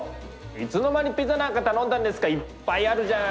いつの間にピザなんか頼んだんですか⁉いっぱいあるじゃん！